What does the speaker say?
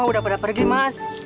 udah pada pergi mas